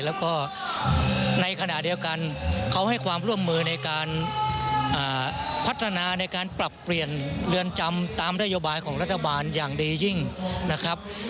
แล้วก็ในขณะเดียวกันเขาให้ความร่วมมือในการพัฒนาในการปรับเปลี่ยนเรือนจำตามนโยบายของรัฐบาลอย่างดียิ่งนะครับ